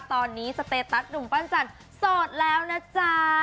ตอนนี้สเตตัสหนุ่มปั้นจันทร์โสดแล้วนะจ๊ะ